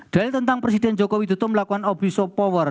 dalil tentang presiden jokowi dutuk melakukan obisopower